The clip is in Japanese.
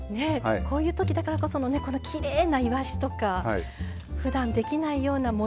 こういう時だからこそのこのきれいないわしとかふだんできないような盛りつけを。